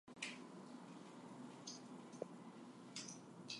Castor and Pollux are commonly represented as spearmen.